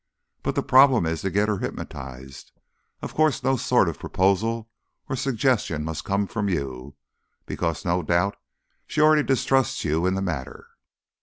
"But the problem is to get her hypnotised. Of course no sort of proposal or suggestion must come from you because no doubt she already distrusts you in the matter."